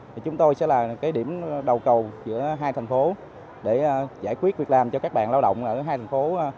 thì chúng tôi sẽ là cái điểm đầu cầu giữa hai thành phố để giải quyết việc làm cho các bạn lao động ở hai thành phố